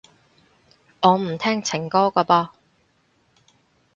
我唔聽情歌㗎噃